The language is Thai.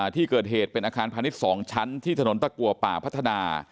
ที่เกิดเหตุเป็นอาคารพาณิชย์๒ชั้นที่ถนนตะกัวป่าพัฒนา